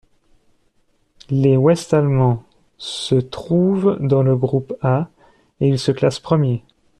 Les Ouest-allemands se trouvent dans le groupe A et ils se classent premiers.